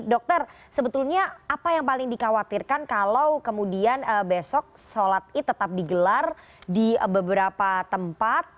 dokter sebetulnya apa yang paling dikhawatirkan kalau kemudian besok sholat id tetap digelar di beberapa tempat